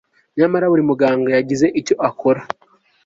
nyamara buri muganga yagize icyo akora